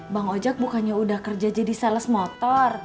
bang ojek bukannya udah kerja jadi sales motor